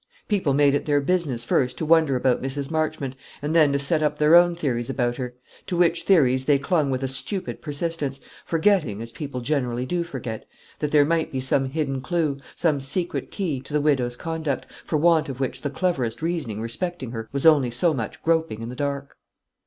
People made it their business first to wonder about Mrs. Marchmont, and then to set up their own theories about her; to which theories they clung with a stupid persistence, forgetting, as people generally do forget, that there might be some hidden clue, some secret key, to the widow's conduct, for want of which the cleverest reasoning respecting her was only so much groping in the dark.